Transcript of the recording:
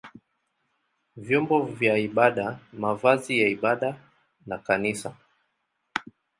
vyombo vya ibada, mavazi ya ibada na kanisa.